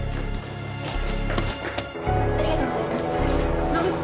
ありがとうございます。